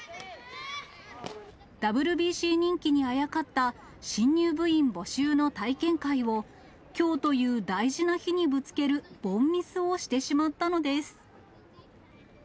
ＷＢＣ人気にあやかった新入部員募集の体験会を、きょうという大事な日にぶつける凡ミスをしてしまったのです。